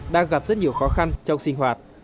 đang gặp rất nhiều khó khăn trong sinh hoạt